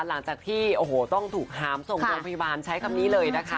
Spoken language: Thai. หลังจากที่โอ้โหต้องถูกหามส่งโรงพยาบาลใช้คำนี้เลยนะคะ